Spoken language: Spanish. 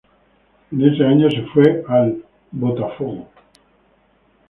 En ese año se fue al Botafogo.